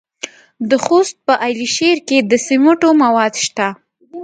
د خوست په علي شیر کې د سمنټو مواد شته.